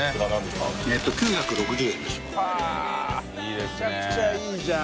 めちゃくちゃいいじゃん。